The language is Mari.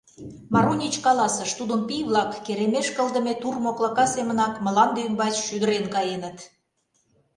Марунич каласыш: тудым пий-влак керемеш кылдыме тур моклака семынак мланде ӱмбач шӱдырен каеныт.